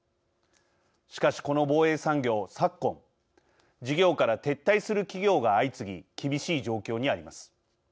しかし、この防衛産業、昨今事業から撤退する企業が相次ぎ厳しい状況にあります。